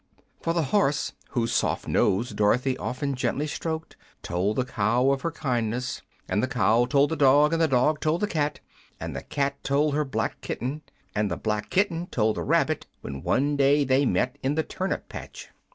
For the horse, whose soft nose Dorothy often gently stroked, told the cow of her kindness, and the cow told the dog, and the dog told the cat, and the cat told her black kitten, and the black kitten told the rabbit when one day they met in the turnip patch.